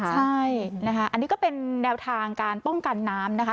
ใช่นะคะอันนี้ก็เป็นแนวทางการป้องกันน้ำนะคะ